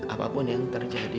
apapun yang terjadi